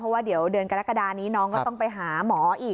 เพราะว่าเดี๋ยวเดือนกรกฎานี้น้องก็ต้องไปหาหมออีก